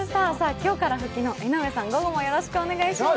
今日から復帰の江上さん、午後もよろしくお願いします。